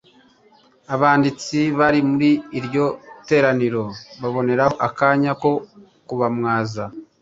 Abanditsi bari muri iryo teraniro baboneraho akanya ko kubamwaza,